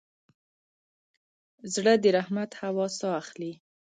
زړه د رحمت هوا ساه اخلي.